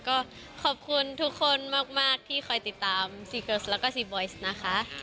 ก็ขอบคุณทุกคนมากที่คอยติดตามซีเกิร์สแล้วก็ซีบอยซ์นะคะ